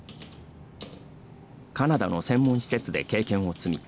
カナダの専門施設で経験を積み